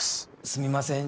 すみません。